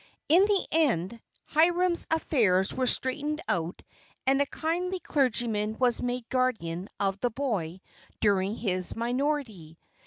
In the end, Hiram's affairs were straightened out and a kindly clergyman was made guardian of the boy during his minority.